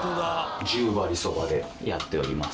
十割そばでやっております。